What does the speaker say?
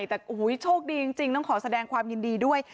แต่โอ้โหโชคดีจริงต้องขอแสดงความยินดีด้วย